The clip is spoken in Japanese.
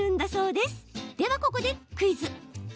では、ここでクイズ。